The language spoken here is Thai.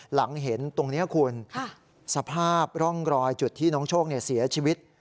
หลังเห็นตรงนี้คุณสภาพร่องรอยจุดที่น้องโชคเสียชีวิต